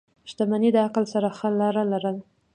• شتمني د عقل سره ښه لاره لري.